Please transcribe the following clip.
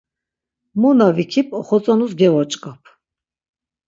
Mu na vikip oxotzonus gevoç̌ǩap.